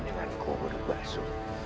dengan kubur basu